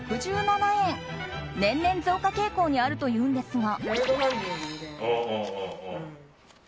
年々、増加傾向にあるというんですが。